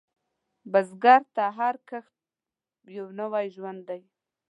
بزګر ته هر کښت یو نوی ژوند دی